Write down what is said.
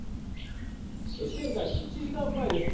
試験開始１時間前です。